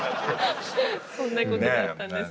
そんなことがあったんですね。